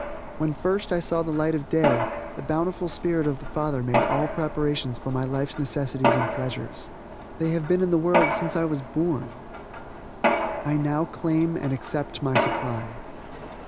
When first I saw the light of day, the bountiful spirit of the Father made all preparations for my life's necessities and pleasures. They have been in the world since I was born. I now claim and accept my supply.